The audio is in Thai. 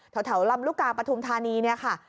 ลำลูกกาปฐุมธานีเนี่ยค่ะ